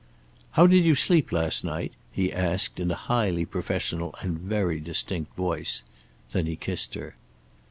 "How did you sleep last night?" he said, in a highly professional and very distinct voice. Then he kissed her.